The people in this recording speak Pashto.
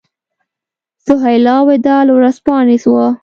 سهیلا وداع له ورځپاڼې وه.